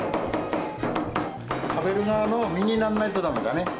食べる側の身にならないとだめだね。